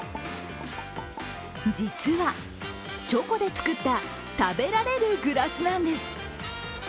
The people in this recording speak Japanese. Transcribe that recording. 実は、チョコで作った食べられるグラスなんです。